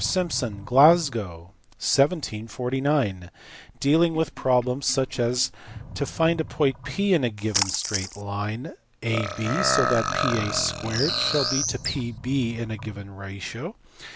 Simson, Glasgow, 1749), dealing with problems such as to find a point P in a given straight line AB so that PA 2 shall be to PB in a given ratio.